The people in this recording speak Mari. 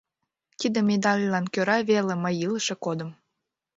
— Тиде медальлан кӧра веле мый илыше кодым!